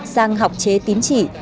sang học chế tín chỉ